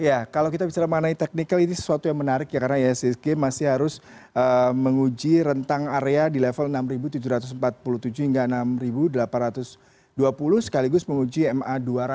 ya kalau kita bicara mengenai technical ini sesuatu yang menarik ya karena issg masih harus menguji rentang area di level enam tujuh ratus empat puluh tujuh hingga enam delapan ratus dua puluh sekaligus menguji ma dua ratus